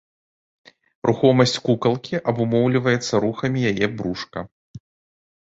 Рухомасць кукалкі абумоўліваецца рухамі яе брушка.